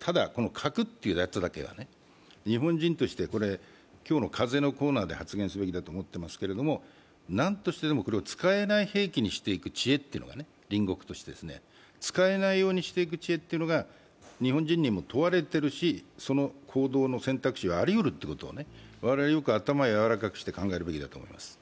ただ核っていうやつだけは日本人として今日の「風」のコーナーで発言していくべきだと思いますがなんとしてでも、これを使えない兵器にしていく知恵というのが、隣国として、使えないようにしていく知恵というのが日本人にも問われてるし、その行動の選択しはありうることを我々よく頭やわらかくして考えるべきだと思います。